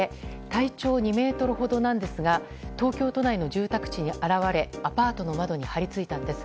体長２ｍほどなんですが東京都内の住宅地に現れアパートの窓に張り付いたんです。